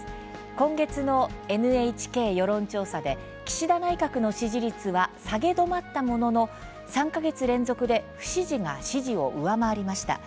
今月のＮＨＫ世論調査で岸田内閣の支持率は下げ止まったものの３か月連続で不支持が支持を上回りました。